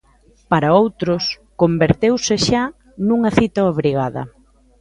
Para outros, converteuse xa nunha cita obrigada.